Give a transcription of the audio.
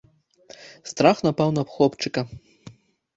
Страх напаў на хлопчыка.